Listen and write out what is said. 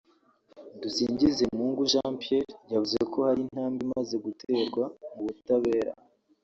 Dusingizemungu Jean Pierre yavuze ko hari intambwe imaze guterwa mu butabera